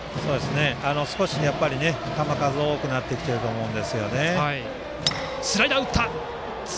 少し球数が多くなってきてると思うんですね。